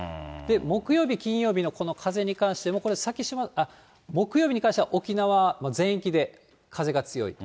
木曜日、金曜日のこの風に関しても、これ、先島、木曜日に関しては、沖縄全域で風が強い。